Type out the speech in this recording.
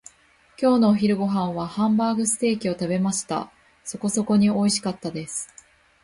今日のお昼ご飯はハンバーグステーキを食べました。そこそこにおいしかったです。